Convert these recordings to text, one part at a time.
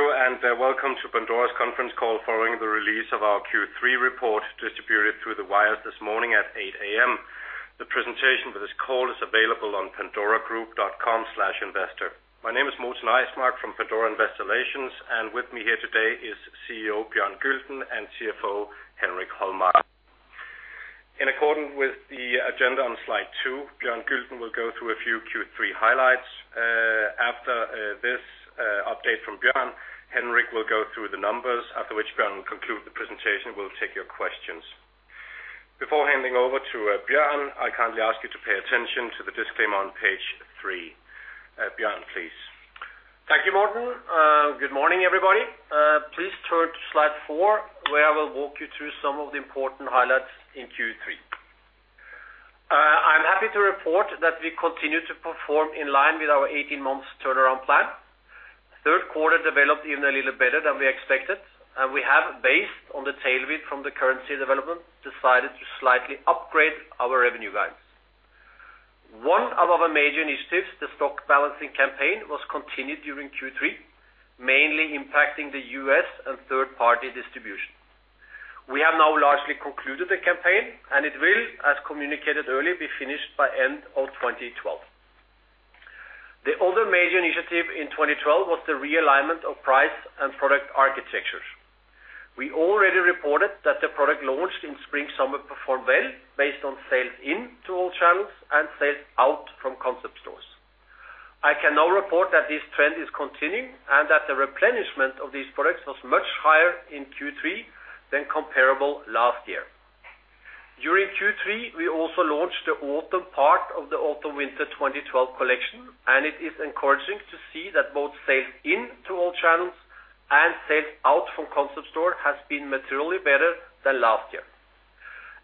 Thank you, and welcome to Pandora's Conference Call following the release of our Q3 report, distributed through the wires this morning at 8:00 A.M. The presentation for this call is available on pandoragroup.com/investor. My name is Morten Eismark from Pandora Investor Relations, and with me here today is CEO Bjørn Gulden and CFO Henrik Holmark. In accordance with the agenda on slide two, Bjørn Gulden will go through a few Q3 highlights. After this update from Bjørn, Henrik will go through the numbers, after which Bjørn will conclude the presentation, and we'll take your questions. Before handing over to Bjørn, I kindly ask you to pay attention to the disclaimer on page three. Bjørn, please. Thank you, Morten. Good morning, everybody. Please turn to slide four, where I will walk you through some of the important highlights in Q3. I'm happy to report that we continue to perform in line with our 18 months turnaround plan. Third quarter developed even a little better than we expected, and we have, based on the tailwind from the currency development, decided to slightly upgrade our revenue guides. One of our major initiatives, the Stock Balancing Campaign, was continued during Q3, mainly impacting the U.S. and third-party distribution. We have now largely concluded the campaign, and it will, as communicated early, be finished by end of 2012. The other major initiative in 2012 was the realignment of price and product architectures. We already reported that the product launched in Spring/Summer performed well based on sales into all channels and sales out from Concept Stores. I can now report that this trend is continuing, and that the replenishment of these products was much higher in Q3 than comparable last year. During Q3, we also launched the autumn part of the Autumn/Winter 2012 collection, and it is encouraging to see that both sales in to all channels and sales out from Concept Store has been materially better than last year.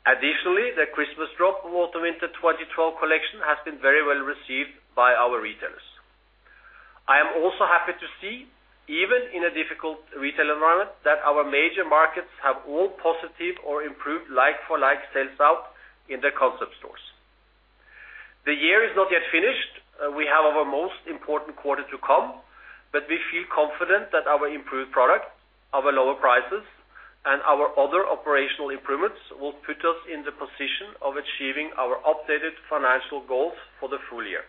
Additionally, the Christmas Drop of Autumn/Winter 2012 collection has been very well received by our retailers. I am also happy to see, even in a difficult retail environment, that our major markets have all positive or improved like-for-like sales out in their Concept Stores. The year is not yet finished. We have our most important quarter to come, but we feel confident that our improved product, our lower prices, and our other operational improvements will put us in the position of achieving our updated financial goals for the full year.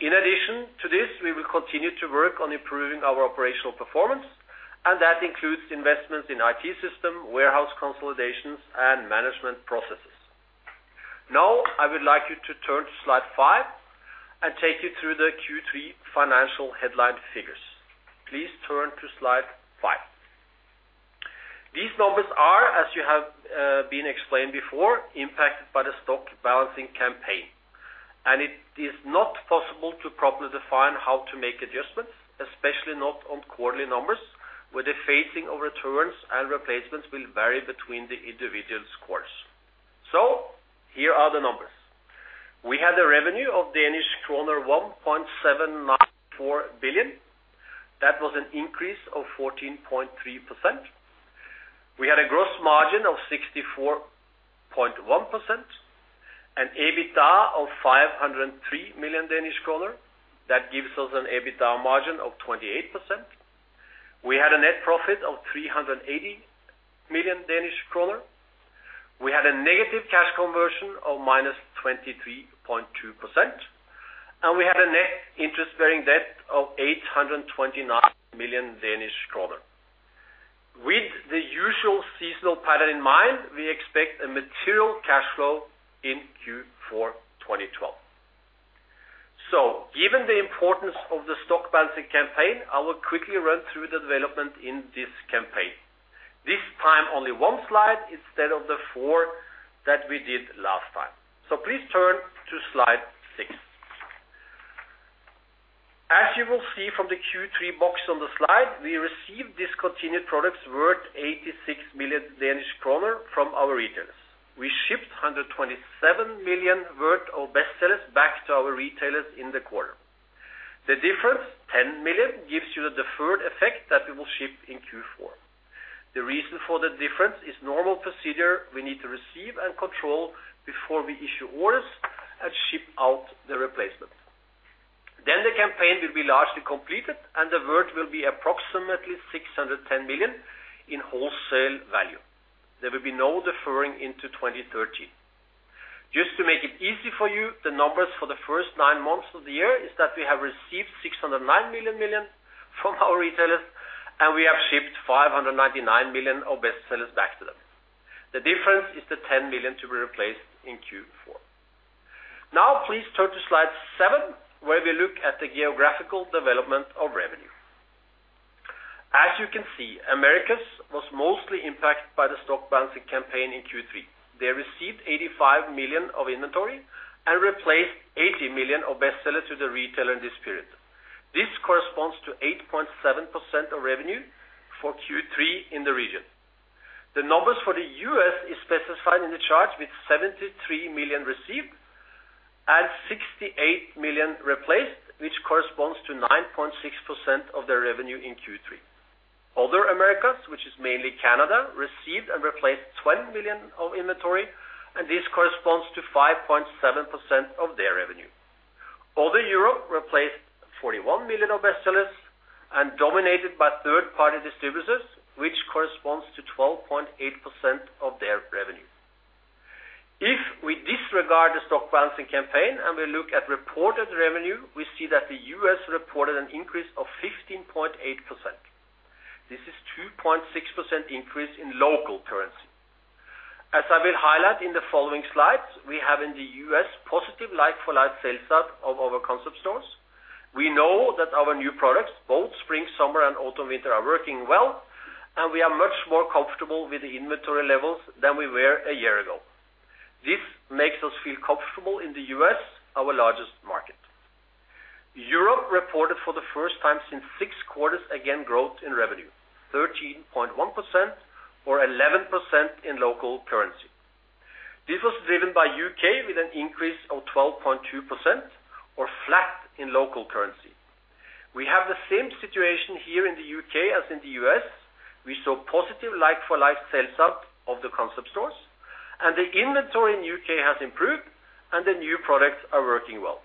In addition to this, we will continue to work on improving our operational performance, and that includes investments in IT system, warehouse consolidations, and management processes. Now, I would like you to turn to slide five and take you through the Q3 financial headline figures. Please turn to slide five. These numbers are, as you have been explained before, impacted by the Stock Balancing Campaign, and it is not possible to properly define how to make adjustments, especially not on quarterly numbers, where the phasing of returns and replacements will vary between the individual stores. Here are the numbers. We had a revenue of Danish kroner 1.794 billion. That was an increase of 14.3%. We had a gross margin of 64.1%, an EBITDA of 503 million Danish kroner. That gives us an EBITDA margin of 28%. We had a net profit of 380 million Danish kroner. We had a negative cash conversion of -23.2%, and we had a net interest-bearing debt of 829 million Danish kroner. With the usual seasonal pattern in mind, we expect a material cash flow in Q4 2012. So given the importance of the Stock Balancing Campaign, I will quickly run through the development in this campaign. This time, only one slide instead of the four that we did last time. So please turn to slide six. As you will see from the Q3 box on the slide, we received discontinued products worth 86 million Danish kroner from our retailers. We shipped 127 million worth of bestsellers back to our retailers in the quarter. The difference, 10 million, gives you the deferred effect that we will ship in Q4. The reason for the difference is normal procedure. We need to receive and control before we issue orders and ship out the replacement. Then the campaign will be largely completed, and the worth will be approximately 610 million in wholesale value. There will be no deferring into 2013. Just to make it easy for you, the numbers for the first nine months of the year are that we have received 609 million from our retailers, and we have shipped 599 million of bestsellers back to them. The difference is the 10 million to be replaced in Q4. Now, please turn to slide seven, where we look at the geographical development of revenue. As you can see, Americas was mostly impacted by the Stock Balancing Campaign in Q3. They received 85 million of inventory and replaced 80 million of bestsellers to the retailer in this period. This corresponds to 8.7% of revenue for Q3 in the region. The numbers for the U.S. are specified in the chart, with 73 million received and 68 million replaced, which corresponds to 9.6% of their revenue in Q3. Other Americas, which is mainly Canada, received and replaced 20 million of inventory, and this corresponds to 5.7% of their revenue. Other Europe replaced 41 million of bestsellers, dominated by third-party distributors, which corresponds to 12.8% of their revenue. If we disregard the Stock Balancing Campaign and we look at reported revenue, we see that the U.S. reported an increase of 15.8%. This is 2.6% increase in local currency. As I will highlight in the following slides, we have in the U.S., positive like-for-like sales out of our Concept Stores. We know that our new products, both Spring/Summer, and Autumn/Winter, are working well, and we are much more comfortable with the inventory levels than we were a year ago. This makes us feel comfortable in the U.S., our largest market. Europe reported for the first time in six quarters, again, growth in revenue, 13.1% or 11% in local currency. This was driven by UK, with an increase of 12.2% or flat in local currency. We have the same situation here in the UK as in the U.S. We saw positive like-for-like sales out of the Concept Stores, and the inventory in UK has improved and the new products are working well.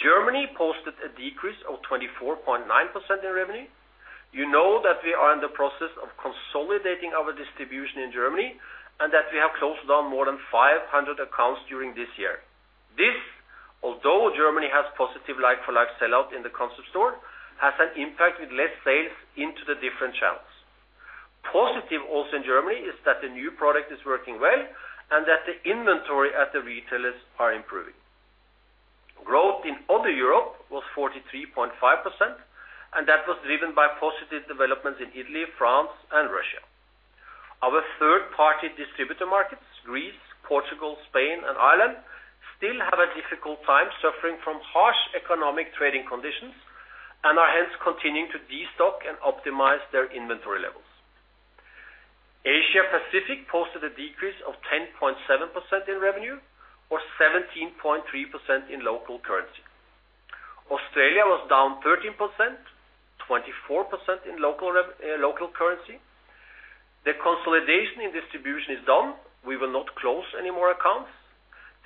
Germany posted a decrease of 24.9% in revenue. You know that we are in the process of consolidating our distribution in Germany and that we have closed down more than 500 accounts during this year. This, although Germany has positive like-for-like sellout in the Concept Store, has an impact with less sales into the different channels. Positive also in Germany, is that the new product is working well and that the inventory at the retailers are improving. Growth in other Europe was 43.5%, and that was driven by positive developments in Italy, France, and Russia. Our third-party distributor markets, Greece, Portugal, Spain, and Ireland, still have a difficult time suffering from harsh economic trading conditions and are hence continuing to destock and optimize their inventory levels. Asia Pacific posted a decrease of 10.7% in revenue or 17.3% in local currency. Australia was down 13%, 24% in local currency. The consolidation in distribution is done. We will not close any more accounts.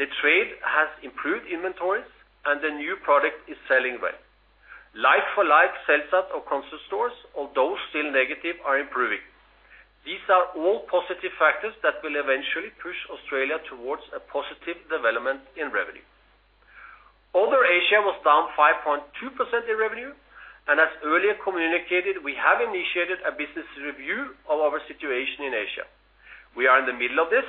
The trade has improved inventories, and the new product is selling well. Like-for-like sales out of Concept Stores, although still negative, are improving. These are all positive factors that will eventually push Australia towards a positive development in revenue. Other Asia was down 5.2% in revenue, and as earlier communicated, we have initiated a business review of our situation in Asia. We are in the middle of this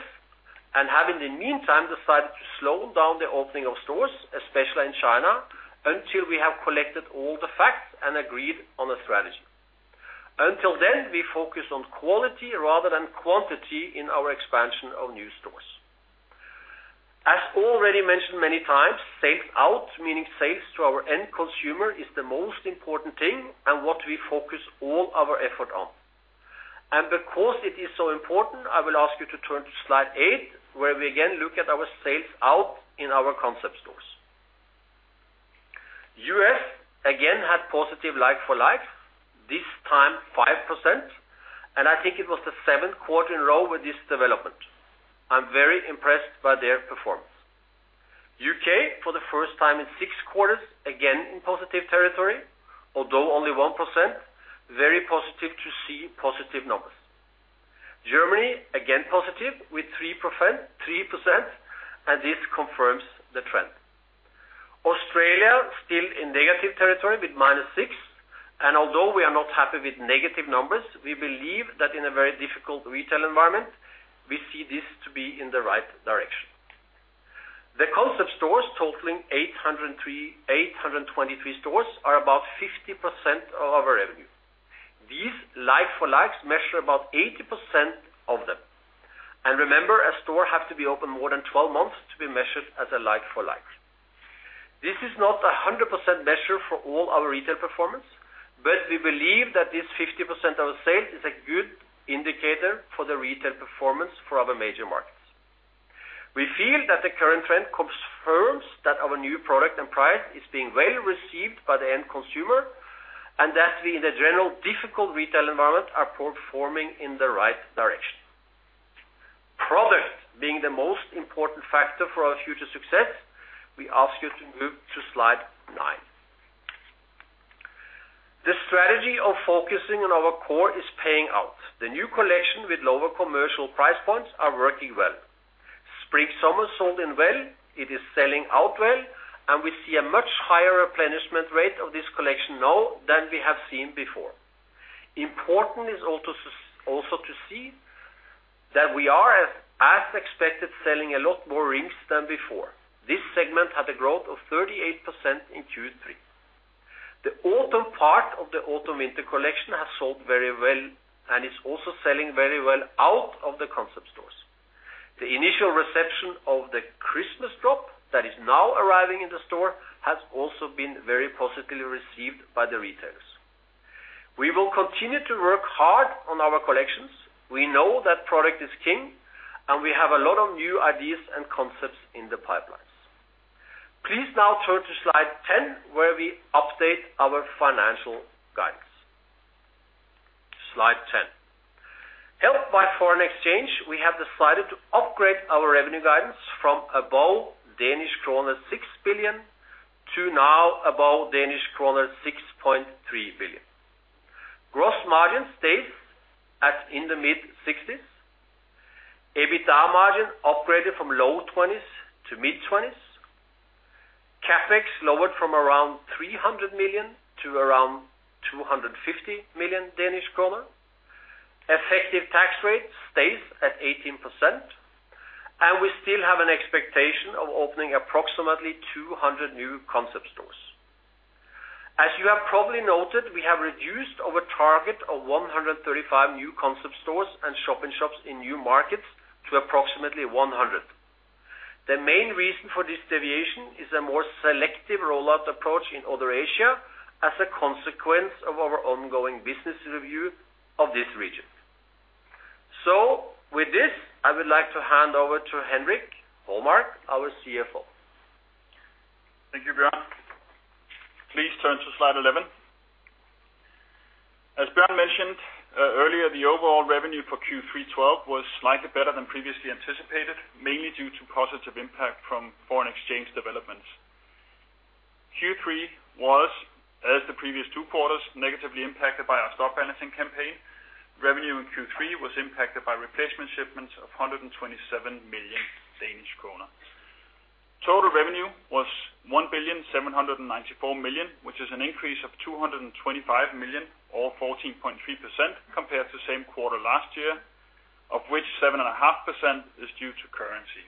and have, in the meantime, decided to slow down the opening of stores, especially in China, until we have collected all the facts and agreed on a strategy. Until then, we focus on quality rather than quantity in our expansion of new stores. As already mentioned many times, sales out, meaning sales to our end consumer, is the most important thing and what we focus all our effort on. And because it is so important, I will ask you to turn to slide eight, where we again look at our sales out in our Concept Stores. U.S., again, had positive like-for-like, this time 5%, and I think it was the seventh quarter in a row with this development. I'm very impressed by their performance. UK, for the first time in six quarters, again, in positive territory, although only 1%, very positive to see positive numbers. Germany, again, positive with 3%, 3%, and this confirms the trend. Australia, still in negative territory with minus 6%, and although we are not happy with negative numbers, we believe that in a very difficult retail environment, we see this to be in the right direction. The Concept Stores, totaling 823 stores, are about 50% of our revenue. These like-for-likes measure about 80% of them. And remember, a store have to be open more than 12 months to be measured as a like-for-like. This is not a 100% measure for all our retail performance, but we believe that this 50% of the sales is a good indicator for the retail performance for other major markets. We feel that the current trend confirms that our new product and price is being well received by the end consumer, and that we, in the general difficult retail environment, are performing in the right direction. Product being the most important factor for our future success, we ask you to move to slide nine. The strategy of focusing on our core is paying out. The new collection with lower commercial price points are working well. Spring/Summer sold in well, it is selling out well, and we see a much higher replenishment rate of this collection now than we have seen before. Important is also, also to see that we are, as, as expected, selling a lot more rings than before. This segment had a growth of 38% in Q3. The autumn part of the Autumn/Winter collection has sold very well and is also selling very well out of the Concept Stores. The initial reception of the Christmas Drop that is now arriving in the store has also been very positively received by the retailers. We will continue to work hard on our collections. We know that product is king, and we have a lot of new ideas and concepts in the pipelines... Please now turn to slide 10, where we update our financial guidance. Slide 10. Helped by foreign exchange, we have decided to upgrade our revenue guidance from above Danish krone 6 billion to now above Danish krone 6.3 billion. Gross margin stays at in the mid-60%s. EBITDA margin upgraded from low 20%s to mid-20%s. CapEx lowered from around 300 million to around 250 million Danish kroner. Effective tax rate stays at 18%, and we still have an expectation of opening approximately 200 new Concept Stores. As you have probably noted, we have reduced our target of 135 new Concept Stores and Shop-in-Shops in new markets to approximately 100. The main reason for this deviation is a more selective rollout approach in other Asia as a consequence of our ongoing business review of this region. So with this, I would like to hand over to Henrik Holmark, our CFO. Thank you, Bjørn. Please turn to slide 11. As Bjørn mentioned earlier, the overall revenue for Q3 2012 was slightly better than previously anticipated, mainly due to positive impact from foreign exchange developments. Q3 2012 was, as the previous two quarters, negatively impacted by our Stock Balancing Campaign. Revenue in Q3 2012 was impacted by replacement shipments of 127 million Danish kroner. Total revenue was 1,794 million, which is an increase of 225 million, or 14.3% compared to the same quarter last year, of which 7.5% is due to currency.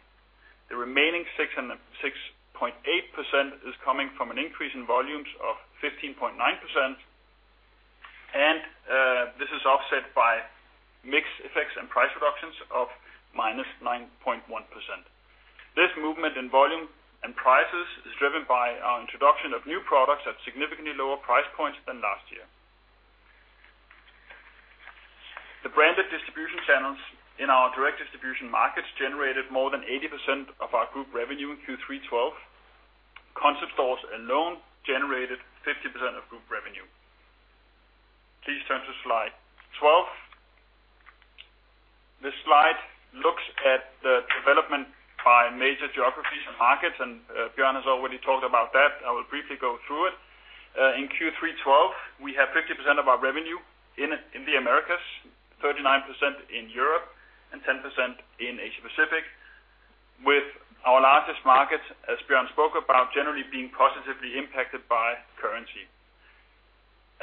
The remaining 6.8% is coming from an increase in volumes of 15.9%, and this is offset by mix effects and price reductions of -9.1%. This movement in volume and prices is driven by our introduction of new products at significantly lower price points than last year. The branded distribution channels in our direct distribution markets generated more than 80% of our group revenue in Q3 2012. Concept Stores alone generated 50% of group revenue. Please turn to slide 12. This slide looks at the development by major geographies and markets, and, Bjørn has already talked about that. I will briefly go through it. In Q3 2012, we have 50% of our revenue in the Americas, 39% in Europe, and 10% in Asia Pacific, with our largest markets, as Bjørn spoke about, generally being positively impacted by currency.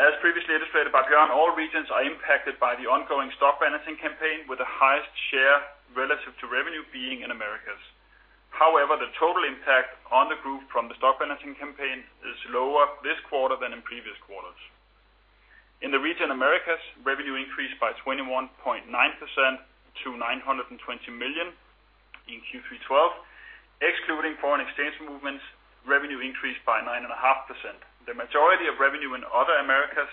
As previously illustrated by Bjørn, all regions are impacted by the ongoing Stock Balancing Campaign, with the highest share relative to revenue being in Americas. However, the total impact on the group from the Stock Balancing Campaign is lower this quarter than in previous quarters. In the region, Americas, revenue increased by 21.9% to 920 million in Q3 2012, excluding foreign exchange movements, revenue increased by 9.5%. The majority of revenue in other Americas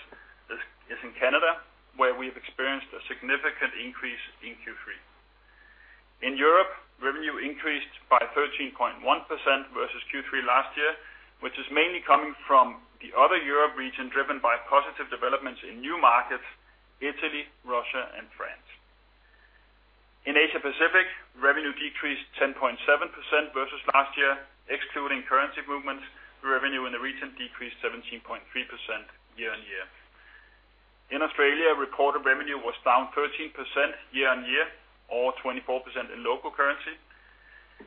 is in Canada, where we have experienced a significant increase in Q3. In Europe, revenue increased by 13.1% versus Q3 last year, which is mainly coming from the other Europe region, driven by positive developments in new markets, Italy, Russia, and France. In Asia Pacific, revenue decreased 10.7% versus last year, excluding currency movements, revenue in the region decreased 17.3% YoY. In Australia, recorded revenue was down 13% YoY, or 24% in local currency,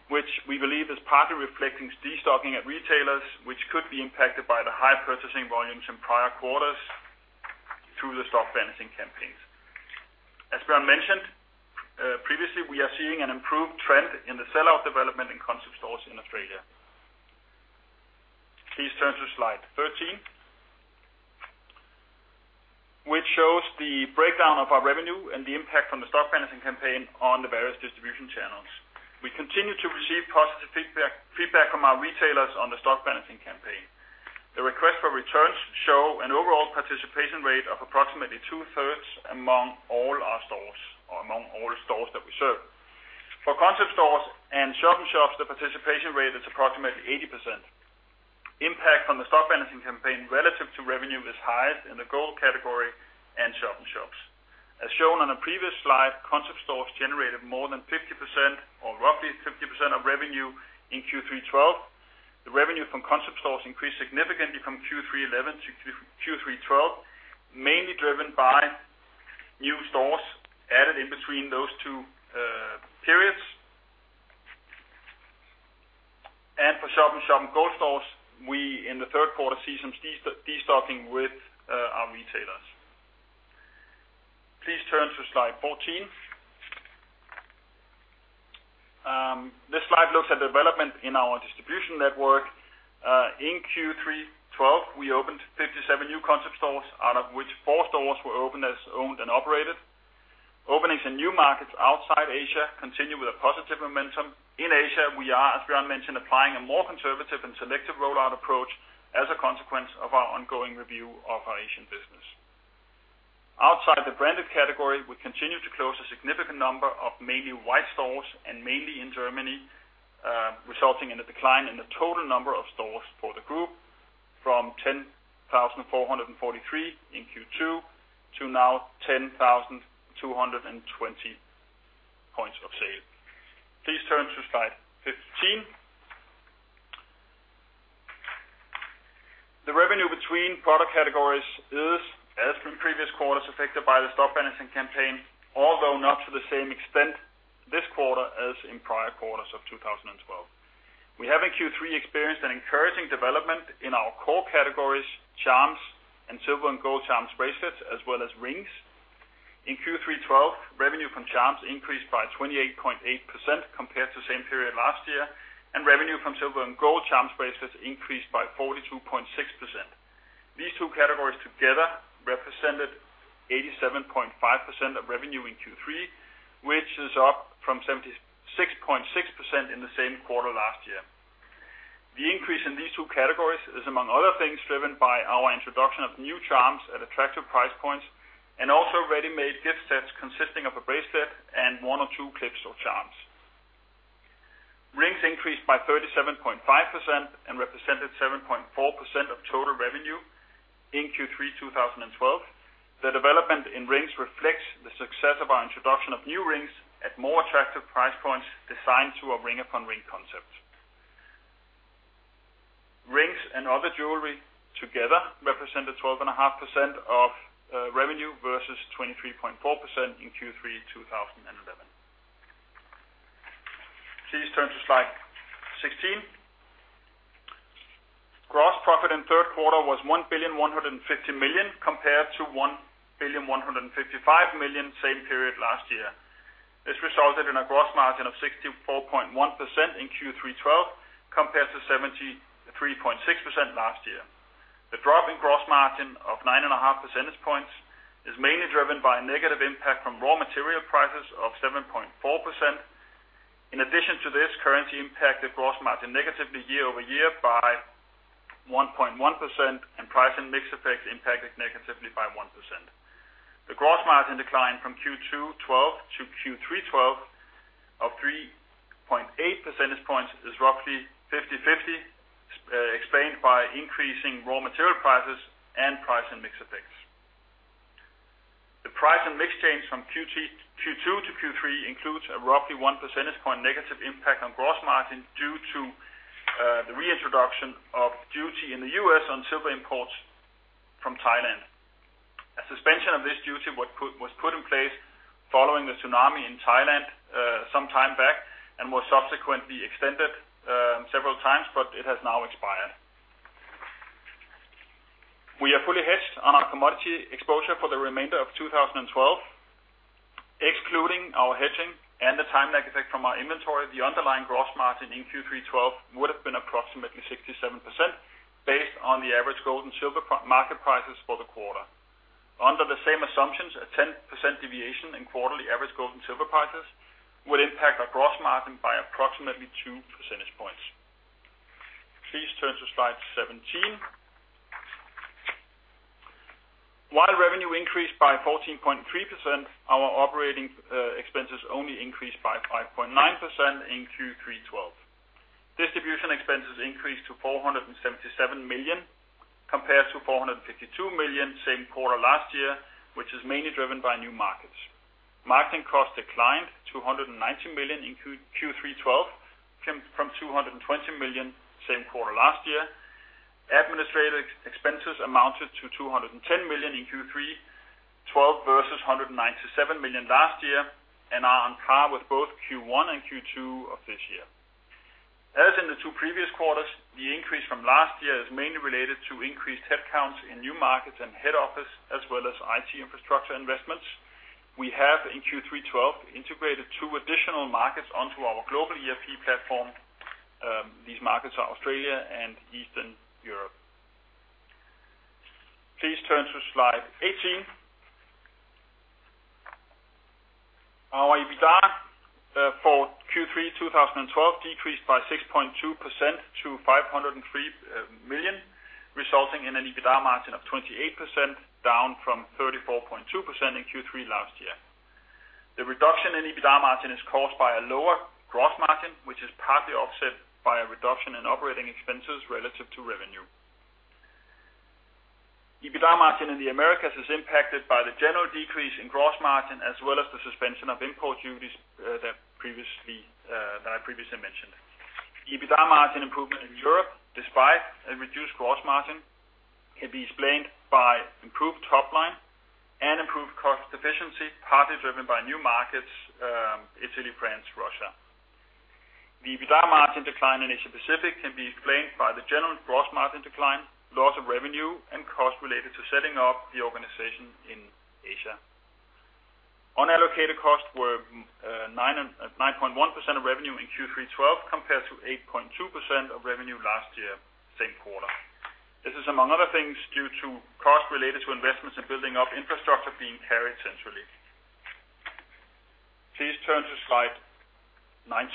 which we believe is partly reflecting destocking at retailers, which could be impacted by the high purchasing volumes in prior quarters through the Stock Balancing Campaigns. As Bjørn mentioned, previously, we are seeing an improved trend in the sell-out development in Concept Stores in Australia. Please turn to slide 13, which shows the breakdown of our revenue and the impact on the Stock Balancing Campaign on the various distribution channels. We continue to receive positive feedback, feedback from our retailers on the Stock Balancing Campaign. The request for returns show an overall participation rate of approximately two-thirds among all our stores or among all the stores that we serve. For Concept Stores and Shop-in-Shops, the participation rate is approximately 80%. Impact from the Stock Balancing Campaign, relative to revenue, is highest in the Gold Stores category and Shop-in-Shops. As shown on a previous slide, Concept Stores generated more than 50% or roughly 50% of revenue in Q3 2012. The revenue from Concept Stores increased significantly from Q3 2011 to Q3 2012, mainly driven by new stores added in between those two periods. For Shop-in-Shops and Gold Stores, we, in the third quarter, see some destocking with our retailers. Please turn to slide 14. This slide looks at development in our distribution network. In Q3 2012, we opened 57 new Concept Stores, out of which four stores were opened as owned and operated. Openings in new markets outside Asia continue with a positive momentum. In Asia, we are, as Bjørn mentioned, applying a more conservative and selective rollout approach as a consequence of our ongoing review of our Asian business. Outside the branded category, we continue to close a significant number of mainly White Stores and mainly in Germany, resulting in a decline in the total number of stores for the group from 10,443 in Q2 to now 10,220 points of sale. Please turn to slide 15. The revenue between product categories is, as from previous quarters, affected by the Stock Balancing Campaign, although not to the same extent this quarter as in prior quarters of 2012. We have, in Q3, experienced an encouraging development in our core categories, charms and silver and gold charms bracelets, as well as rings. In Q3 2012, revenue from charms increased by 28.8% compared to the same period last year, and revenue from silver and gold charms bracelets increased by 42.6%. These two categories together represented 87.5% of revenue in Q3, which is up from 76.6% in the same quarter last year. The increase in these two categories is, among other things, driven by our introduction of new charms at attractive price points, and also ready-made gift sets consisting of a bracelet and one or two clips or charms. Rings increased by 37.5% and represented 7.4% of total revenue in Q3, 2012. The development in rings reflects the success of our introduction of new rings at more attractive price points, designed through our Ring Upon Ring concept. Rings and other jewelry together represented 12.5% of revenue, versus 23.4% in Q3 2011. Please turn to slide 16. Gross profit in third quarter was 1,150 million, compared to 1,155 million, same period last year. This resulted in a gross margin of 64.1% in Q3 2012, compared to 73.6% last year. The drop in gross margin of 9.5 percentage points is mainly driven by a negative impact from raw material prices of 7.4%. In addition to this, currency impacted gross margin negatively YoY by 1.1%, and price and mix effects impacted negatively by 1%. The gross margin decline from Q2 2012 to Q3 2012 of 3.8 percentage points is roughly 50/50 explained by increasing raw material prices and price and mix effects. The price and mix change from Q2 to Q3 includes a roughly 1 percentage point negative impact on gross margin due to the reintroduction of duty in the U.S. on silver imports from Thailand. A suspension of this duty was put in place following the tsunami in Thailand some time back, and was subsequently extended several times, but it has now expired. We are fully hedged on our commodity exposure for the remainder of 2012, excluding our hedging and the time lag effect from our inventory, the underlying gross margin in Q3 2012 would have been approximately 67%, based on the average gold and silver market prices for the quarter. Under the same assumptions, a 10% deviation in quarterly average gold and silver prices would impact our gross margin by approximately two percentage points. Please turn to slide 17. While revenue increased by 14.3%, our operating expenses only increased by 5.9% in Q3 2012. Distribution expenses increased to 477 million, compared to 452 million, same quarter last year, which is mainly driven by new markets. Marketing costs declined to 190 million in Q3 2012, from 220 million, same quarter last year. Administrative expenses amounted to 210 million in Q3 2012, versus 197 million last year, and are on par with both Q1 and Q2 of this year. As in the two previous quarters, the increase from last year is mainly related to increased headcounts in new markets and head office, as well as IT infrastructure investments. We have, in Q3 2012, integrated two additional markets onto our global ERP platform. These markets are Australia and Eastern Europe. Please turn to slide 18. Our EBITDA for Q3 2012 decreased by 6.2% to 503 million, resulting in an EBITDA margin of 28%, down from 34.2% in Q3 last year. The reduction in EBITDA margin is caused by a lower gross margin, which is partly offset by a reduction in operating expenses relative to revenue. EBITDA margin in the Americas is impacted by the general decrease in gross margin, as well as the suspension of import duties that I previously mentioned. EBITDA margin improvement in Europe, despite a reduced gross margin, can be explained by improved top line and improved cost efficiency, partly driven by new markets, Italy, France, Russia. The EBITDA margin decline in Asia Pacific can be explained by the general gross margin decline, loss of revenue, and costs related to setting up the organization in Asia. Unallocated costs were 9.1% of revenue in Q3 2012, compared to 8.2% of revenue last year, same quarter. This is, among other things, due to costs related to investments in building up infrastructure being carried centrally. Please turn to slide 19.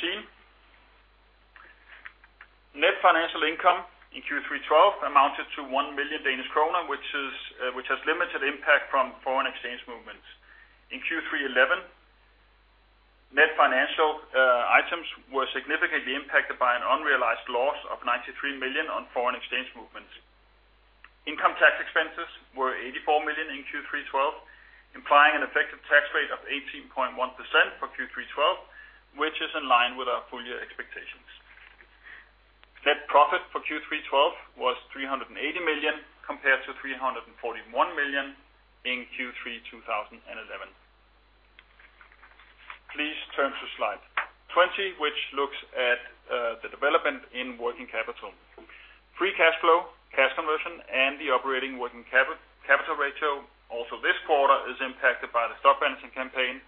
Net financial income in Q3 2012 amounted to 1 million Danish kroner, which is, which has limited impact from foreign exchange movements. In Q3 2011, net financial items were significantly impacted by an unrealized loss of 93 million on foreign exchange movements. Income tax expenses were 84 million in Q3 2012, implying an effective tax rate of 18.1% for Q3 2012, which is in line with our full year expectations. Net profit for Q3 2012 was 380 million, compared to 341 million in Q3 2011. Please turn to slide 20, which looks at the development in working capital. Free cash flow, cash conversion, and the operating working capital ratio, also this quarter, is impacted by the Stock Balancing Campaign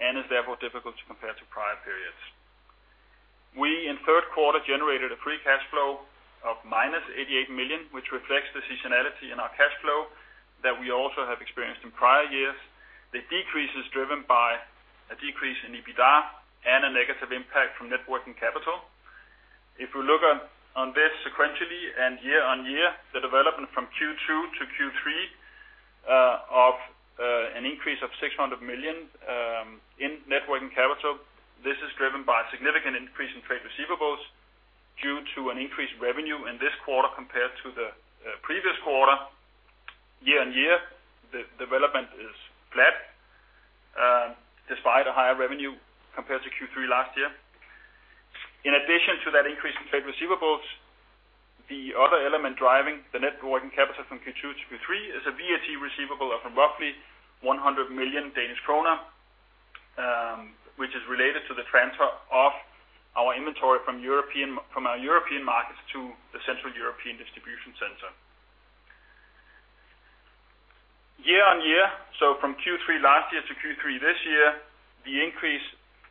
and is therefore difficult to compare to prior periods. We, in third quarter, generated a free cash flow of -88 million, which reflects the seasonality in our cash flow that we also have experienced in prior years. The decrease is driven by a decrease in EBITDA and a negative impact from net working capital. If we look on this sequentially and YoY, the development from Q2 to Q3 of an increase of 600 million in net working capital, this is driven by a significant increase in trade receivables due to an increased revenue in this quarter compared to the previous quarter. Yoy, the development is flat despite a higher revenue compared to Q3 last year. In addition to that increase in trade receivables, the other element driving the net working capital from Q2 to Q3 is a VAT receivable of roughly 100 million Danish krone, which is related to the transfer of our inventory from our European markets to the Central European distribution center. YoY, so from Q3 last year to Q3 this year, the increase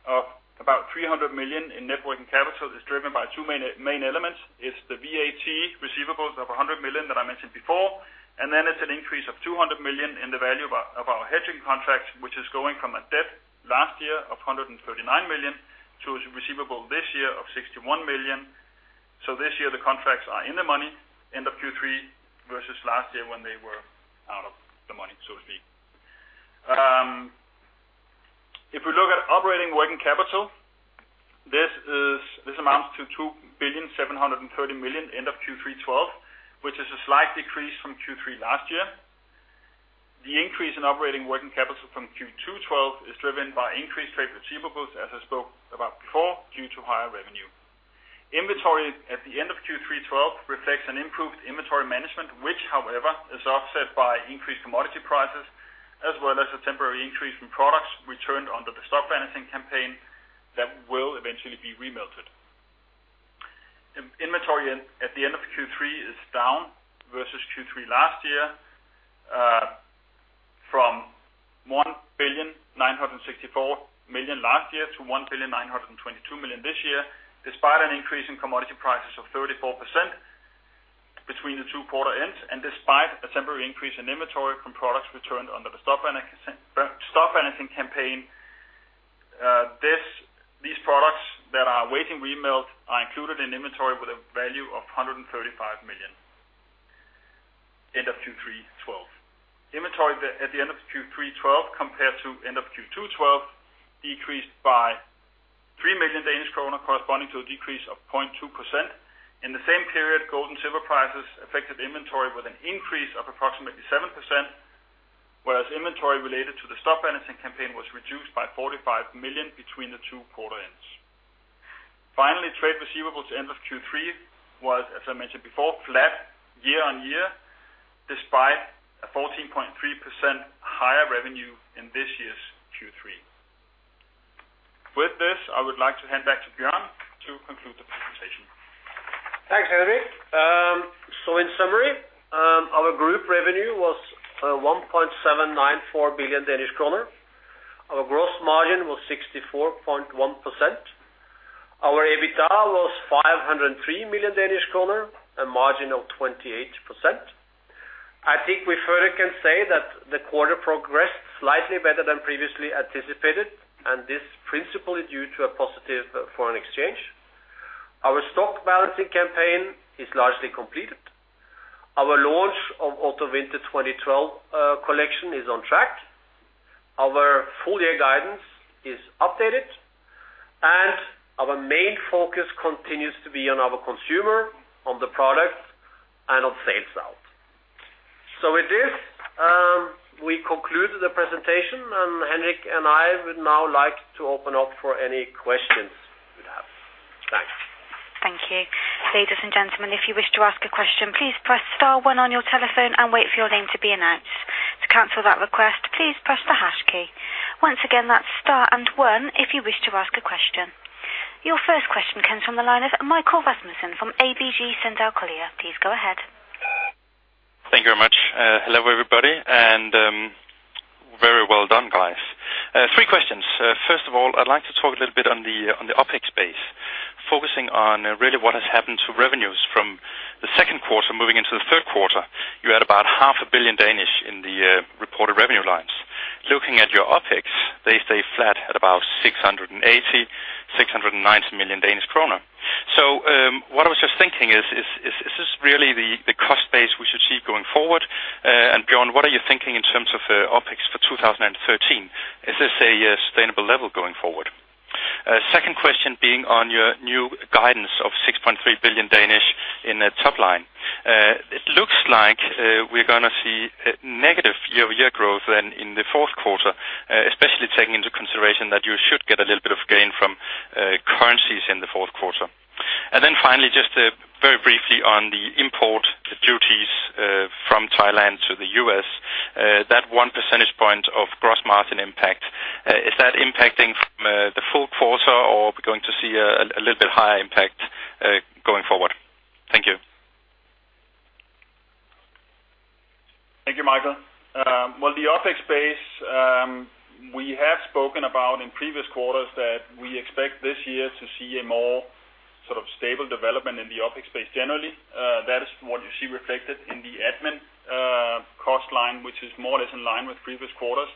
of about 300 million in net working capital is driven by two main elements. It's the VAT receivables of 100 million that I mentioned before, and then it's an increase of 200 million in the value of our hedging contracts, which is going from a debt last year of 139 million, to a receivable this year of 61 million. So this year, the contracts are in the money, end of Q3 2012, versus last year when they were out of the money, so to speak. If we look at operating working capital, this amounts to 2,730 million, end of Q3 2012, which is a slight decrease from Q3 2011. The increase in operating working capital from Q2 2012 is driven by increased trade receivables, as I spoke about before, due to higher revenue. Inventory at the end of Q3 2012 reflects an improved inventory management, which, however, is offset by increased commodity prices, as well as a temporary increase in products returned under the Stock Balancing Campaign that will eventually be remelted. Inventory at the end of Q3 is down versus Q3 last year, from 1,964 million last year to 1,922 million this year, despite an increase in commodity prices of 34% between the two quarter ends, and despite a temporary increase in inventory from products returned under the stock Balancing Campaign. These products that are waiting remelt are included in inventory with a value of 135 million, end of Q3 2012. Inventory at the end of Q3 2012, compared to end of Q2 2012, decreased by 3 million Danish kroner, corresponding to a decrease of 0.2%. In the same period, gold and silver prices affected inventory with an increase of approximately 7%, whereas inventory related to the Stock Balancing Campaign was reduced by 45 million between the two quarter ends. Finally, trade receivables end of Q3 was, as I mentioned before, flat YoY, despite a 14.3% higher revenue in this year's Q3. With this, I would like to hand back to Bjørn to conclude the presentation. Thanks, Henrik. So in summary, our group revenue was 1.794 billion Danish kroner. Our gross margin was 64.1%. Our EBITDA was 503 million Danish kroner, a margin of 28%. I think we further can say that the quarter progressed slightly better than previously anticipated, and this principally due to a positive foreign exchange. Our Stock Balancing Campaign is largely completed. Our launch of Autumn/Winter 2012 collection is on track. Our full year guidance is updated, and our main focus continues to be on our consumer, on the products, and on sales out. So with this, we conclude the presentation, and Henrik and I would now like to open up for any questions you have. Thanks. Thank you. Ladies and gentlemen, if you wish to ask a question, please press star one on your telephone and wait for your name to be announced. To cancel that request, please press the hash key. Once again, that's star and one if you wish to ask a question. Your first question comes from the line of Michael Rasmussen from ABG Sundal Collier. Please go ahead. Thank you very much. Hello, everybody, and very well done, guys. Three questions. First of all, I'd like to talk a little bit on the OpEx base, focusing on really what has happened to revenue. The second quarter, moving into the third quarter, you had about 500 million in the reported revenue lines. Looking at your OpEx, they stay flat at about 680 million-690 million Danish kroner. So, what I was just thinking is this really the cost base we should see going forward? And Bjørn, what are you thinking in terms of OpEx for 2013? Is this a sustainable level going forward? Second question being on your new guidance of 6.3 billion in the top line. It looks like, we're gonna see a negative YoY growth then in the fourth quarter, especially taking into consideration that you should get a little bit of gain from, currencies in the fourth quarter. And then finally, just, very briefly on the import duties, from Thailand to the U.S., that 1 percentage point of gross margin impact, is that impacting from, the full quarter, or are we going to see a, a little bit higher impact, going forward? Thank you. Thank you, Michael. Well, the OpEx base, we have spoken about in previous quarters that we expect this year to see a more sort of stable development in the OpEx space. Generally, that is what you see reflected in the admin cost line, which is more or less in line with previous quarters.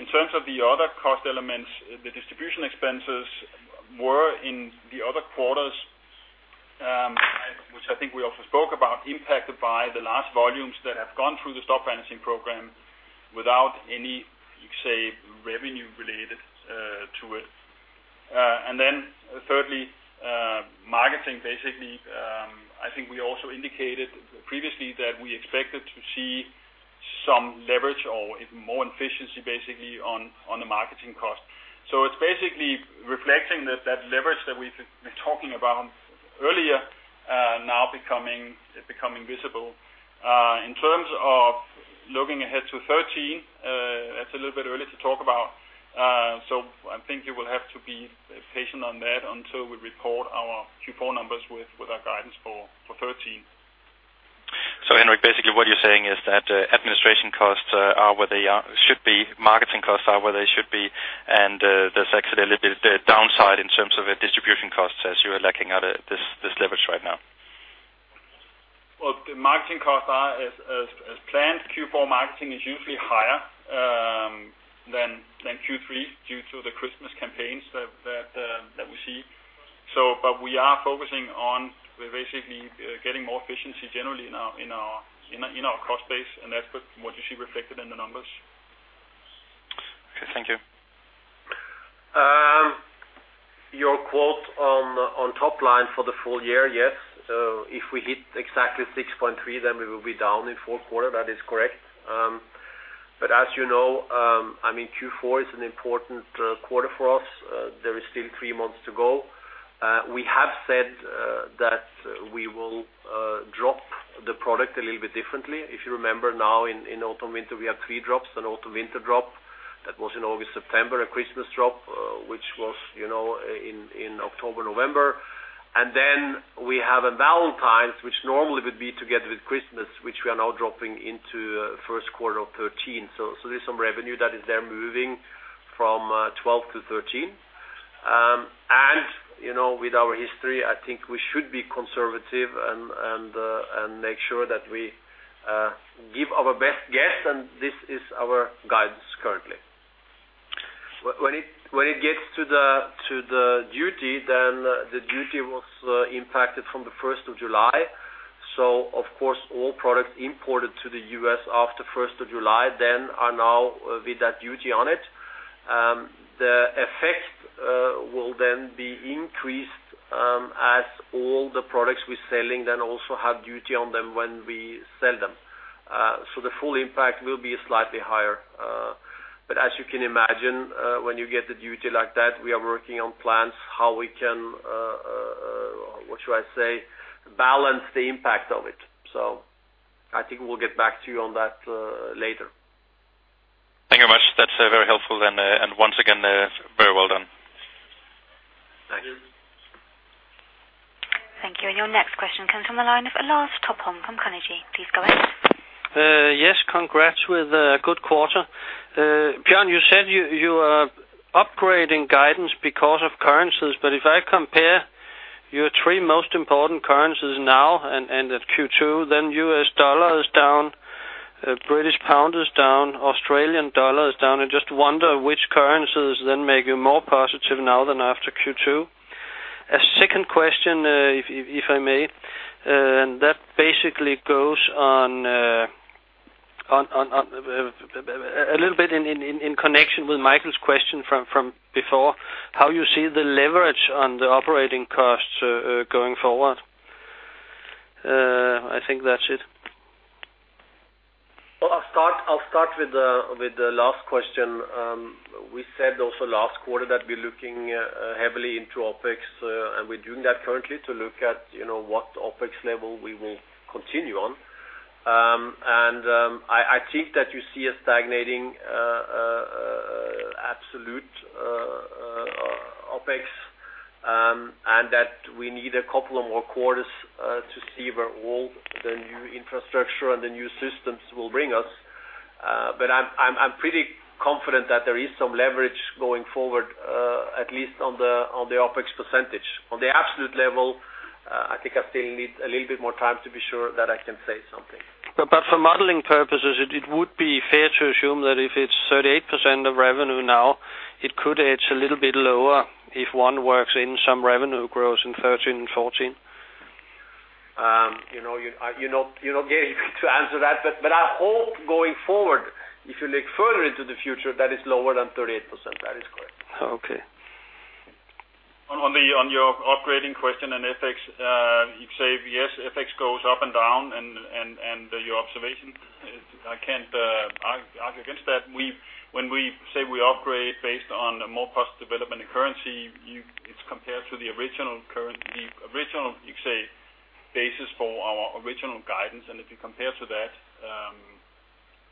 In terms of the other cost elements, the distribution expenses were in the other quarters, which I think we also spoke about, impacted by the last volumes that have gone through the stock balancing program without any, you say, revenue related to it. And then thirdly, marketing, basically, I think we also indicated previously that we expected to see some leverage or even more efficiency, basically on, on the marketing cost. So it's basically reflecting that, that leverage that we've been talking about earlier, now becoming visible. In terms of looking ahead to 2013, that's a little bit early to talk about. So I think you will have to be patient on that until we report our Q4 numbers with our guidance for 2013. So, Henrik, basically what you're saying is that, administration costs are where they are, should be, marketing costs are where they should be, and, there's actually a little bit downside in terms of the distribution costs as you are lacking at, this, this leverage right now. Well, the marketing costs are as planned. Q4 marketing is usually higher than Q3 due to the Christmas campaigns that we see. So, but we are focusing on basically getting more efficiency generally in our cost base, and that's what you see reflected in the numbers. Okay. Thank you. Your quote on top line for the full year, yes, if we hit exactly 6.3 billion, then we will be down in fourth quarter. That is correct. But as you know, I mean, Q4 is an important quarter for us. There is still three months to go. We have said that we will drop the product a little bit differently. If you remember now, in Autumn/Winter, we have three drops, an Autumn/Winter drop that was in August/September, a Christmas Drop, which was, you know, in October/November. And then we have a Valentine's Drop, which normally would be together with Christmas, which we are now dropping into first quarter of 2013. So, there's some revenue that is there moving from 2012 to 2013. And, you know, with our history, I think we should be conservative and make sure that we give our best guess, and this is our guidance currently. When it gets to the duty, then the duty was impacted from the first of July. So of course, all products imported to the U.S. after first of July, then are now with that duty on it. The effect will then be increased, as all the products we're selling then also have duty on them when we sell them. So the full impact will be slightly higher, but as you can imagine, when you get the duty like that, we are working on plans, how we can balance the impact of it. I think we'll get back to you on that, later. Thank you very much. That's very helpful. And once again, very well done. Thank you. Thank you. And your next question comes from the line of Lars Topholm from Carnegie. Please go ahead. Yes, congrats with a good quarter. Bjørn, you said you are upgrading guidance because of currencies, but if I compare your three most important currencies now and at Q2, then U.S. dollar is down, British pound is down, Australian dollar is down. I just wonder which currencies then make you more positive now than after Q2? A second question, if I may, and that basically goes on a little bit in connection with Michael's question from before, how you see the leverage on the operating costs going forward? I think that's it. Well, I'll start with the last question. We said also last quarter that we're looking heavily into OpEx, and we're doing that currently to look at, you know, what OpEx level we will continue on. And I think that you see a stagnating absolute OpEx, and that we need a couple of more quarters to see where all the new infrastructure and the new systems will bring us... But I'm pretty confident that there is some leverage going forward, at least on the OpEx percentage. On the absolute level, I think I still need a little bit more time to be sure that I can say something. But for modeling purposes, it would be fair to assume that if it's 38% of revenue now, it could edge a little bit lower, if one works in some revenue growth in 2013 and 2014? You know, you don't get me to answer that. But I hope going forward, if you look further into the future, that is lower than 38%. That is correct. Okay. On your upgrading question and FX, you'd say, yes, FX goes up and down, and your observation is, I can't argue against that. We've when we say we upgrade based on more positive development in currency, it's compared to the original currency, original, you say, basis for our original guidance. And if you compare to that,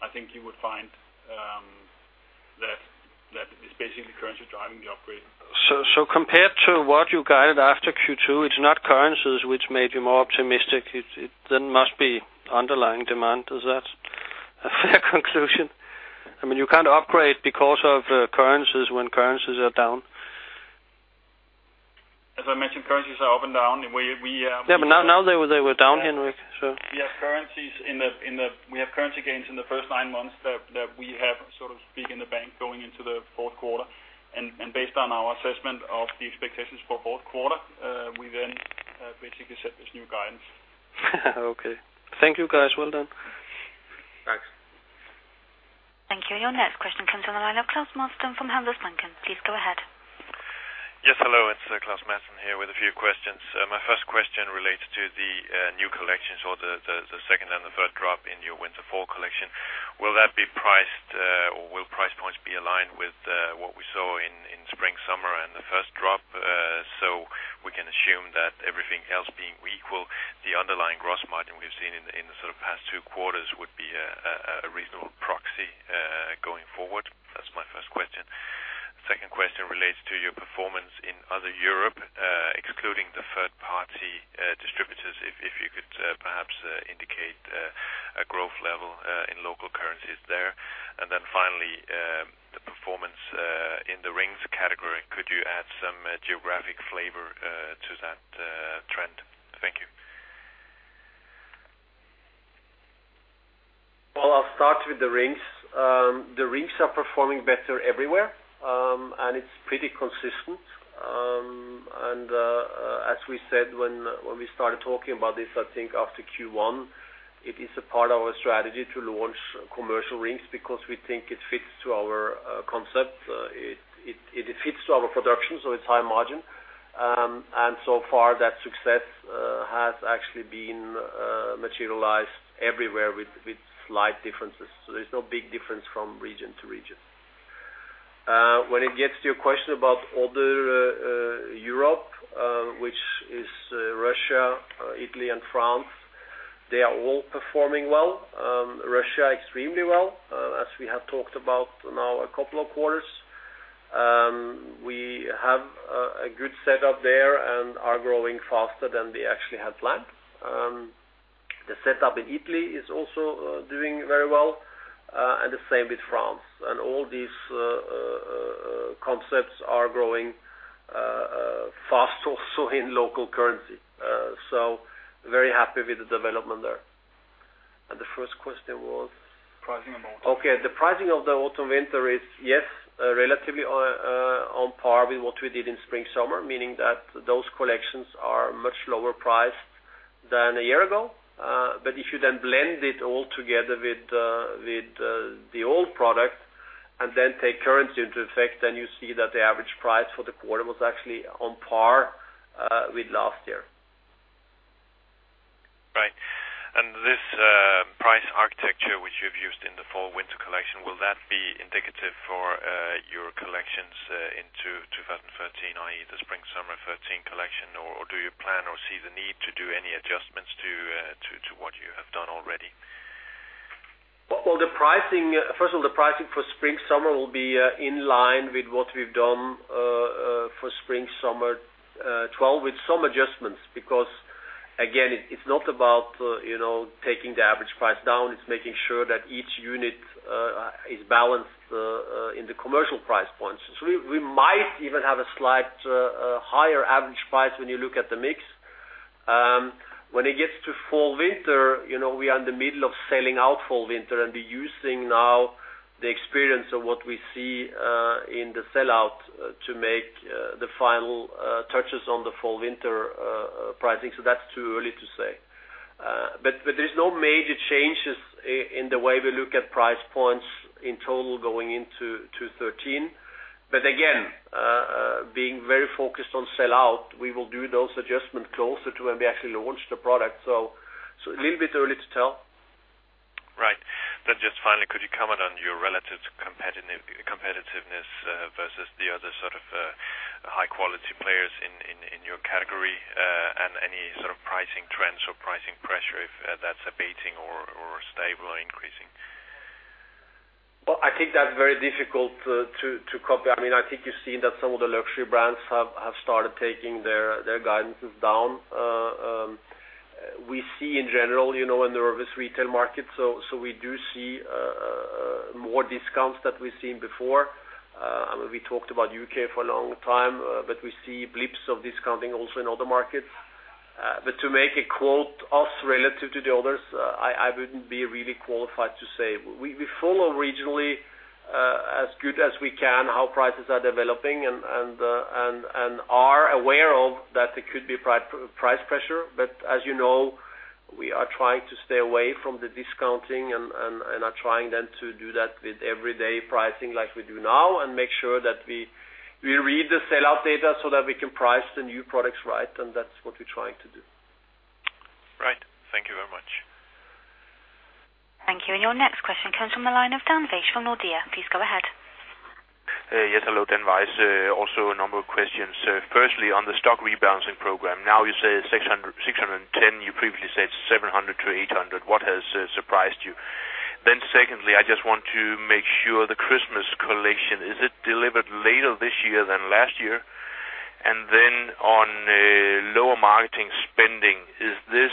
I think you would find that it's basically the currency driving the upgrade. So compared to what you guided after Q2, it's not currencies which made you more optimistic, it then must be underlying demand. Is that a fair conclusion? I mean, you can't upgrade because of currencies when currencies are down. As I mentioned, currencies are up and down, and we... Yeah, but now, now they were, they were down, Henrik, so. We have currency gains in the first nine months that we have sort of big in the bank going into the fourth quarter. And based on our assessment of the expectations for fourth quarter, we then basically set this new guidance. Okay. Thank you, guys. Well done. Thanks. Thank you. Your next question comes on the line of Klaus Madsen from Handelsbanken. Please go ahead. Yes, hello, it's Klaus Madsen here with a few questions. My first question relates to the new collections or the second and the third drop in your Winter/Fall collection. Will that be priced or will price points be aligned with what we saw in spring/summer and the first drop? So we can assume that everything else being equal, the underlying gross margin we've seen in the sort of past two quarters would be a reasonable proxy going forward? That's my first question. Second question relates to your performance in other Europe excluding the third party distributors, if you could perhaps indicate a growth level in local currencies there. And then finally, the performance in the rings category, could you add some geographic flavor to that trend? Thank you. Well, I'll start with the rings. The rings are performing better everywhere, and it's pretty consistent. As we said, when we started talking about this, I think after Q1, it is a part of our strategy to launch commercial rings because we think it fits to our concept. It fits to our production, so it's high margin. And so far, that success has actually been materialized everywhere with slight differences. So there's no big difference from region to region. When it gets to your question about other Europe, which is Russia, Italy, and France, they are all performing well. Russia, extremely well, as we have talked about now a couple of quarters. We have a good setup there and are growing faster than we actually had planned. The setup in Italy is also doing very well, and the same with France. And all these concepts are growing fast also in local currency. So very happy with the development there. And the first question was? Pricing and margin. Okay, the pricing of the Autumn/Winter is, yes, relatively on par with what we did in spring/summer, meaning that those collections are much lower priced than a year ago. But if you then blend it all together with the old product, and then take currency into effect, then you see that the average price for the quarter was actually on par with last year. Right. And this price architecture, which you've used in the Fall/Winter collection, will that be indicative for your collections into 2013, i.e., the Spring/Summer 2013 collection? Or do you plan or see the need to do any adjustments to what you have done already? Well, the pricing, first of all, the pricing for Spring/Summer will be in line with what we've done for Spring/Summer 2012, with some adjustments. Because, again, it's not about, you know, taking the average price down, it's making sure that each unit is balanced in the commercial price points. So we might even have a slight higher average price when you look at the mix. When it gets to Fall/Winter, you know, we are in the middle of selling out Fall/Winter, and we're using now the experience of what we see in the sellout to make the final touches on the Fall/Winter pricing, so that's too early to say. But there's no major changes in the way we look at price points in total going into 2013. But again, being very focused on sellout, we will do those adjustments closer to when we actually launch the product. So, a little bit early to tell. Right. Then just finally, could you comment on your relative competitiveness versus the other sort of high quality players in your category, and any sort of pricing trends or pricing pressure, if that's abating or stable or increasing? Well, I think that's very difficult to copy. I mean, I think you've seen that some of the luxury brands have started taking their guidances down. We see in general, you know, in the nervous retail market. So we do see more discounts that we've seen before. We talked about UK for a long time, but we see blips of discounting also in other markets. But to make a quote, us relative to the others, I wouldn't be really qualified to say. We follow regionally, as good as we can, how prices are developing and are aware of that there could be price pressure. But as you know, we are trying to stay away from the discounting and are trying then to do that with everyday pricing, like we do now, and make sure that we read the sellout data so that we can price the new products right, and that's what we're trying to do. Right. Thank you very much. Thank you. Your next question comes from the line of Dan Wejse from Nordea. Please go ahead. Yes, hello, Dan Wejse. Also a number of questions. Firstly, on the stock rebalancing program, now you say 600, 610, you previously said 700-800. What has surprised you? Then secondly, I just want to make sure the Christmas collection, is it delivered later this year than last year? And then on lower marketing spending, is this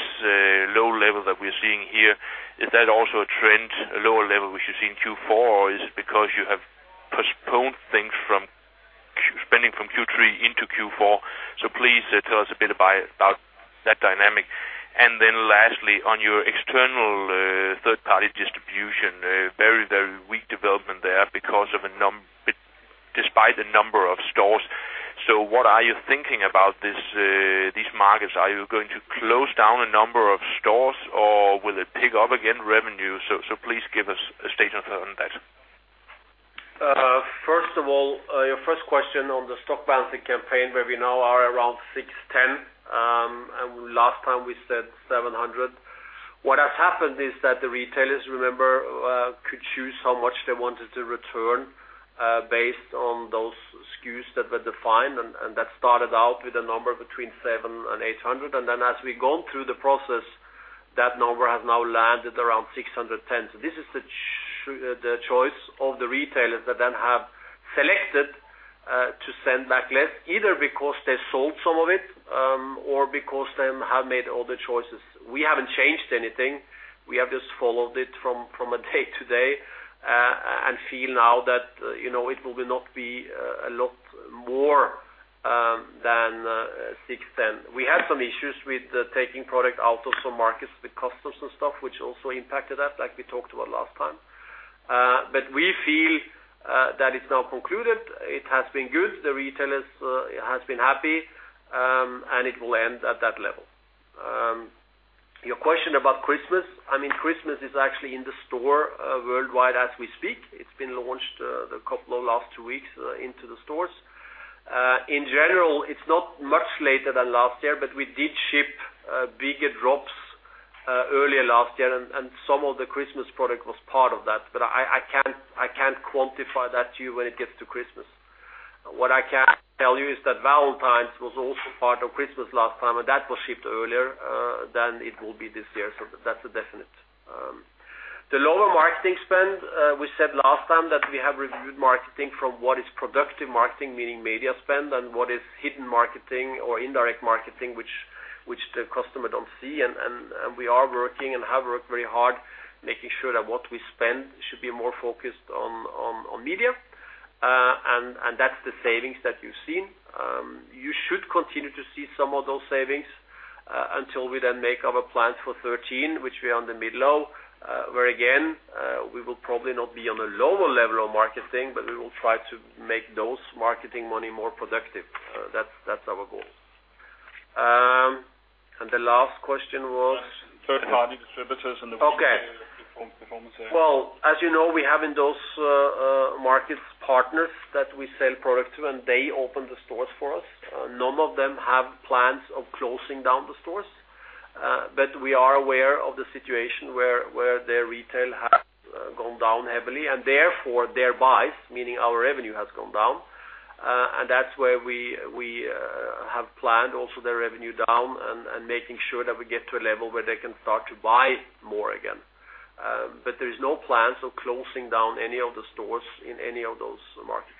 low level that we're seeing here, is that also a trend, a lower level, which you see in Q4, or is it because you have postponed things from spending from Q3 into Q4? So please tell us a bit about, about that dynamic. And then lastly, on your external third-party distribution, a very, very weak development there despite the number of stores. So what are you thinking about this, these markets? Are you going to close down a number of stores, or will it pick up again, revenue? So, so please give us a statement on that. First of all, your first question on the Stock Balancing Campaign, where we now are around 610, and last time we said 700. What has happened is that the retailers, remember, could choose how much they wanted to return, based on those SKUs that were defined, and that started out with a number between 700 and 800. And then as we go through the process, that number has now landed around 610. So this is the choice of the retailers that then have selected to send back less, either because they sold some of it, or because they have made other choices. We haven't changed anything. We have just followed it from a day to day and feel now that, you know, it will not be a lot more than 610. We had some issues with taking product out of some markets, the customs and stuff, which also impacted us, like we talked about last time. But we feel that it's now concluded. It has been good. The retailers has been happy, and it will end at that level. Your question about Christmas, I mean, Christmas is actually in the store worldwide as we speak. It's been launched the last couple of weeks into the stores. In general, it's not much later than last year, but we did ship bigger drops earlier last year, and some of the Christmas product was part of that, but I can't quantify that to you when it gets to Christmas. What I can tell you is that Valentine's was also part of Christmas last time, and that was shipped earlier than it will be this year, so that's a definite. The lower marketing spend, we said last time that we have reviewed marketing from what is productive marketing, meaning media spend, and what is hidden marketing or indirect marketing, which the customer don't see, and we are working and have worked very hard, making sure that what we spend should be more focused on media, and that's the savings that you've seen. You should continue to see some of those savings, until we then make our plans for 2013, which we are on the mid-low, where again, we will probably not be on a lower level of marketing, but we will try to make those marketing money more productive. That's, that's our goal. And the last question was? Third-party distributors and the- Okay. Performance there. Well, as you know, we have in those markets, partners that we sell product to, and they open the stores for us. None of them have plans of closing down the stores, but we are aware of the situation where their retail has gone down heavily, and therefore, their buys, meaning our revenue, has gone down. And that's where we have planned also their revenue down and making sure that we get to a level where they can start to buy more again. But there is no plans of closing down any of the stores in any of those markets.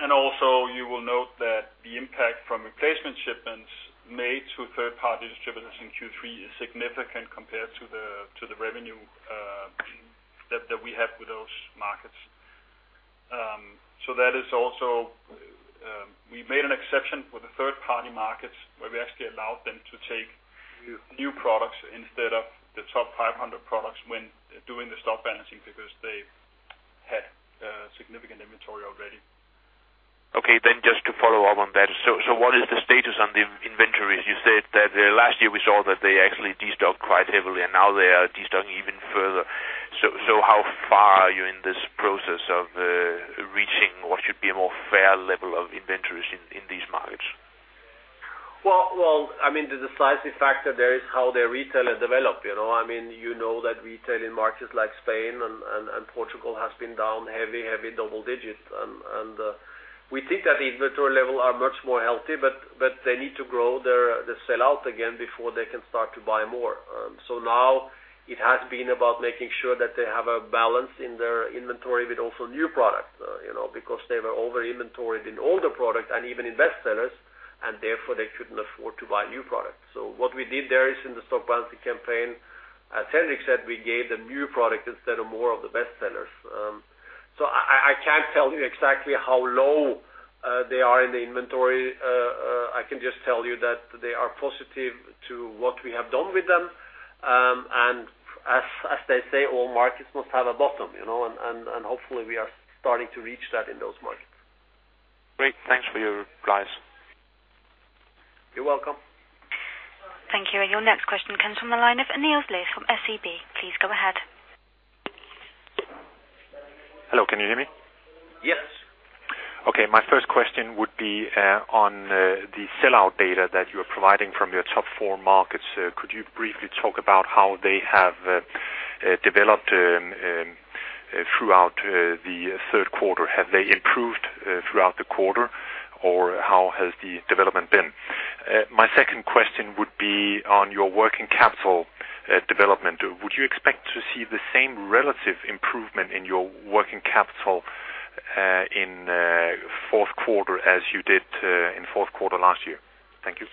Also, you will note that the impact from replacement shipments made to third-party distributors in Q3 is significant compared to the revenue that we have with those markets. So that is also, we made an exception for the third-party markets, where we actually allowed them to take new products instead of the top 500 products when doing the stock balancing, because they had significant inventory already. Okay, then just to follow up on that. So, so what is the status on the inventories? You said that last year, we saw that they actually destocked quite heavily, and now they are destocking even further. So, so how far are you in this process of reaching what should be a more fair level of inventories in these markets? Well, well, I mean, the decisive factor there is how their retailer developed, you know? I mean, you know that retail in markets like Spain and Portugal has been down heavy, heavy double digits. We think that the inventory level are much more healthy, but they need to grow their sell-out again before they can start to buy more. So now it has been about making sure that they have a balance in their inventory, but also new products, you know, because they were over-inventoried in older products and even in best sellers, and therefore they couldn't afford to buy new products. So what we did there is in the Stock Balancing Campaign, as Henrik said, we gave them new product instead of more of the best sellers. So I can't tell you exactly how low they are in the inventory. I can just tell you that they are positive to what we have done with them. And as they say, all markets must have a bottom, you know, and hopefully we are starting to reach that in those markets. Great. Thanks for your replies. You're welcome. Thank you. And your next question comes from the line of Niels Leth from SEB. Please go ahead. Hello, can you hear me? Yes. Okay. My first question would be on the sellout data that you are providing from your top four markets. Could you briefly talk about how they have developed throughout the third quarter? Have they improved throughout the quarter, or how has the development been? My second question would be on your working capital development. Would you expect to see the same relative improvement in your working capital in fourth quarter as you did in fourth quarter last year? Thank you.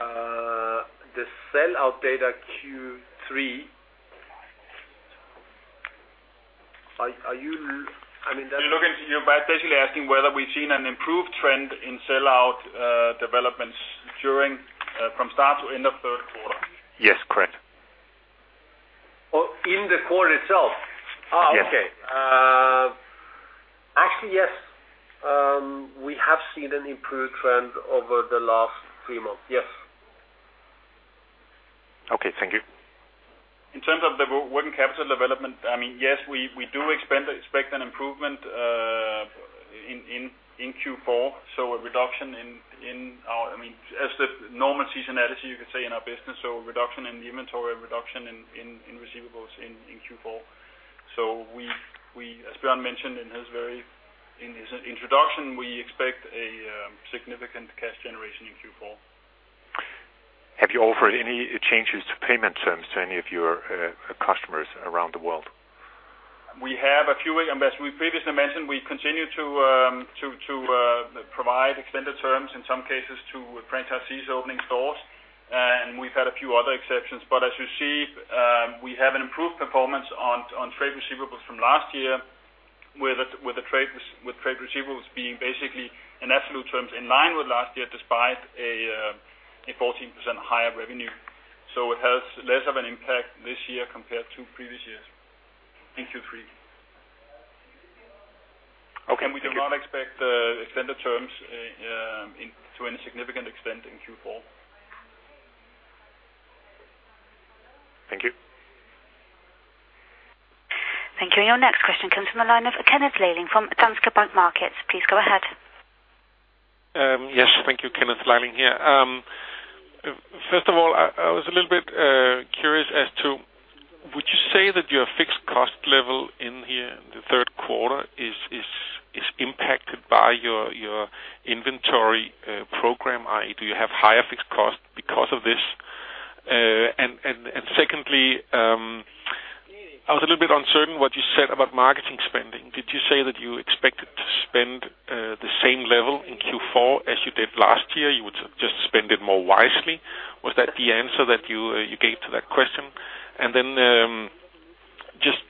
The sellout data Q3. Are you, I mean, that- You're looking to, you're basically asking whether we've seen an improved trend in sellout, developments during, from start to end of third quarter? Yes, correct. Oh, in the quarter itself? Yes. Ah, okay. Actually, yes, we have seen an improved trend over the last three months. Yes. Okay, thank you. In terms of the working capital development, I mean, yes, we do expect an improvement in Q4. So a reduction in our, I mean, as the normal season analysis, you could say, in our business, so a reduction in the inventory, a reduction in receivables in Q4. So we, as Bjørn mentioned in his very introduction, we expect a significant cash generation in Q4. Have you offered any changes to payment terms to any of your customers around the world? We have a few, and as we previously mentioned, we continue to provide extended terms, in some cases, to franchisees opening stores, and we've had a few other exceptions. But as you see, we have an improved performance on trade receivables from last year, with trade receivables being basically in absolute terms, in line with last year, despite a 14% higher revenue. So it has less of an impact this year compared to previous years in Q3. Okay, thank you. We do not expect extended terms to any significant extent in Q4. Thank you. Thank you. Your next question comes from the line of Kenneth Leiling from Danske Bank Markets. Please go ahead. Yes. Thank you, Kenneth Leiling here. First of all, I was a little bit curious as to, would you say that your fixed cost level in the third quarter is impacted by your inventory program? I.e., do you have higher fixed costs because of this? And secondly, I was a little bit uncertain what you said about marketing spending. Did you say that you expected to spend the same level in Q4 as you did last year? You would just spend it more wisely. Was that the answer that you gave to that question? And then, just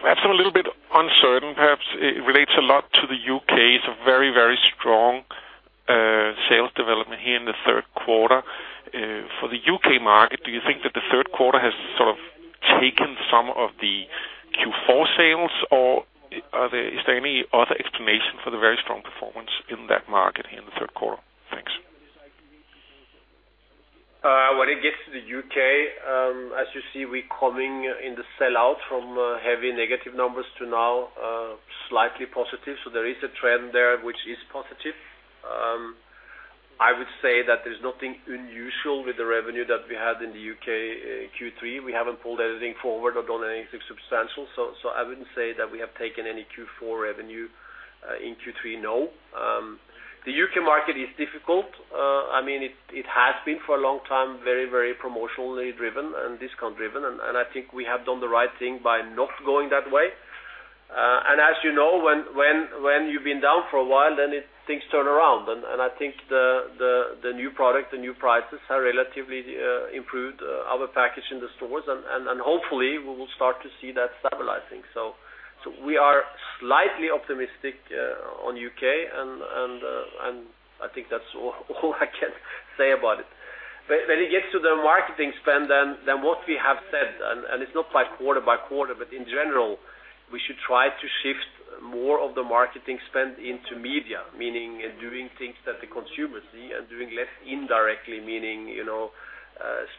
perhaps I'm a little bit uncertain, perhaps it relates a lot to the UK. It's a very, very strong sales development here in the third quarter. For the UK market, do you think that the third quarter has sort of taken some of the Q4 sales, or is there any other explanation for the very strong performance in that market here in the third quarter? Thanks. When it gets to the UK, as you see, we're coming in the sell out from heavy negative numbers to now, slightly positive. So there is a trend there, which is positive. I would say that there's nothing unusual with the revenue that we had in the UK, Q3. We haven't pulled anything forward or done anything substantial, so I wouldn't say that we have taken any Q4 revenue in Q3, no. The UK market is difficult. I mean, it has been for a long time, very, very promotionally driven and discount driven, and I think we have done the right thing by not going that way. And as you know, when you've been down for a while, then things turn around, and I think the new product, the new prices, have relatively improved our package in the stores, and hopefully we will start to see that stabilizing. So we are slightly optimistic on UK, and I think that's all I can say about it. But when it gets to the marketing spend, then what we have said, and it's not by quarter by quarter, but in general, we should try to shift more of the marketing spend into media, meaning doing things that the consumers see and doing less indirectly, meaning, you know,